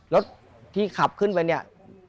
รถที่ขับขึ้นไปเนี่ย